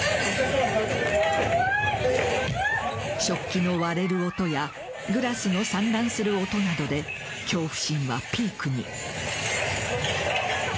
食器の割れる音やグラスの散乱する音などで恐怖心はピークに。